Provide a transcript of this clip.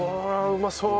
うまそう。